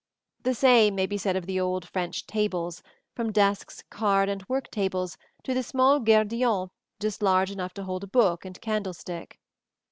The same may be said of the old French tables from desks, card and work tables, to the small guéridon just large enough to hold a book and candlestick.